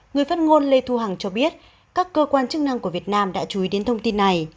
người phát ngôn lê thu hằng cho biết các cơ quan chức năng của việt nam đã chú ý đến thông tin này